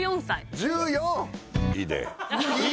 １４！